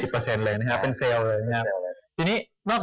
เป็นเซลล์เลยนะครับ